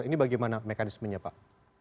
ini bagaimana mekanismenya pak